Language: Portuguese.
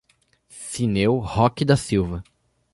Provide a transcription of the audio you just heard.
Cineu Roque da Silva